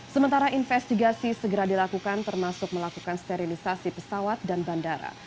sementara investigasi segera dilakukan termasuk melakukan sterilisasi pesawat dan bandara